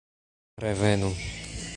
Revenu!